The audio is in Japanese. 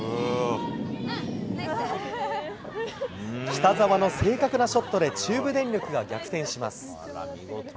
北澤の正確なショットで、中部電力が逆転します。